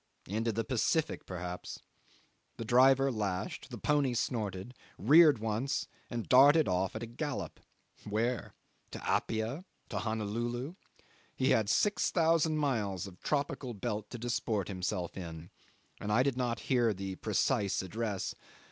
Into the Pacific, perhaps. The driver lashed; the pony snorted, reared once, and darted off at a gallop. Where? To Apia? To Honolulu? He had 6000 miles of tropical belt to disport himself in, and I did not hear the precise address.